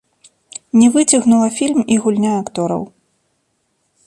Не выцягнула фільм і гульня актораў.